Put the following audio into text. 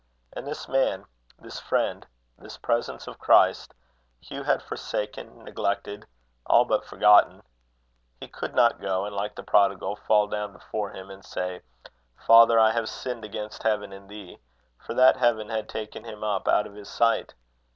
And this man, this friend, this presence of Christ, Hugh had forsaken, neglected, all but forgotten. He could not go, and, like the prodigal, fall down before him, and say, "Father, I have sinned against heaven and thee," for that heaven had taken him up out of his sight.